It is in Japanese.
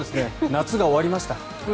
夏が終わりました。